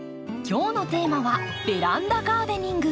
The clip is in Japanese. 今日のテーマは「ベランダガーデニング」。